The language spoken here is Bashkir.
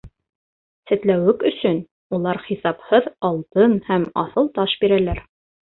Сәтләүек өсөн улар хисапһыҙ алтын һәм аҫыл таш бирәләр.